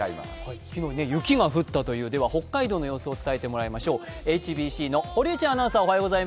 昨日、昨日雪が降ったという北海道の様子を伝えてもらいましょう。